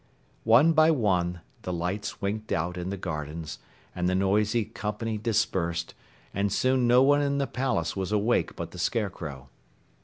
One by one the lights winked out in the gardens, and the noisy company dispersed, and soon no one in the palace was awake but the Scarecrow.